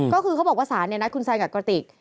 ก็คือเขาบอกว่าศาลนัดคุณแซนกับกระติก